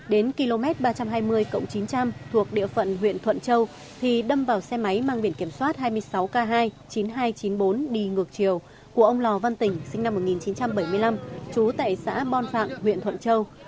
đến km ba trăm hai mươi chín trăm linh thuộc địa phận huyện thuận châu thì đâm vào xe máy mang biển kiểm soát hai mươi sáu k hai chín nghìn hai trăm chín mươi bốn đi ngược chiều của ông lò văn tỉnh sinh năm một nghìn chín trăm bảy mươi năm trú tại xã bon phạm huyện thuận châu